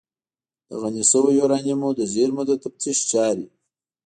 د غني شویو یورانیمو د زیرمو د تفتیش چارې